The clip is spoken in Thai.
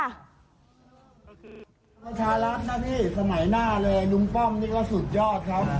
ก็คือประชารัฐนะพี่สมัยหน้าเลยลุงป้อมนี่ก็สุดยอดครับ